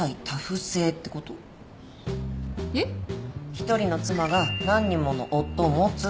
１人の妻が何人もの夫を持つってやつ。